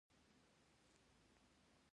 ایا ستاسو وطن امن نه دی؟